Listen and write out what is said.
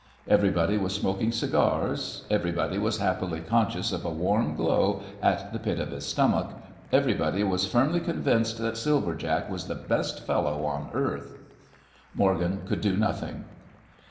Everybody was smoking cigars, everybody was happily conscious of a warm glow at the pit of the stomach, everybody was firmly convinced that Silver Jack was the best fellow on earth. Morgan could do nothing.